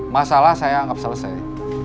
masalah saya anggap selesai